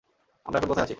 আমরা এখন কোথায় আছি?